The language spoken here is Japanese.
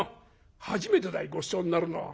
初めてだいごちそうになるのは。